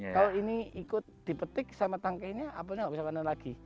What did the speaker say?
kalau ini ikut dipetik sama tangkinya apelnya nggak bisa panen lagi